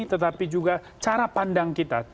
tetapi juga cara pandang kita